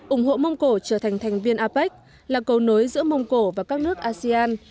ủng hộ mông cổ trở thành thành viên apec là cầu nối giữa mông cổ và các nước asean